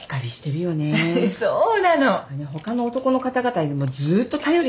他の男の方々よりもずっと頼りになる。